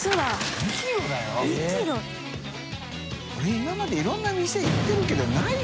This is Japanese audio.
今までいろんな店行ってるけどないよ？